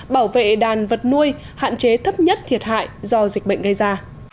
bảo vệ đàn vật nuôi hạn chế thấp nhất thiệt hại do dịch bệnh gây ra